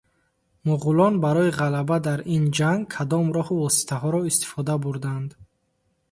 Муғулон барои ғалаба дар ин ҷанг кадом роҳу воситаҳоро истифода бурданд?